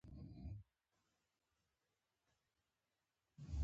هغه وایی د تڼاکې غوندې زړه ژوندون غواړي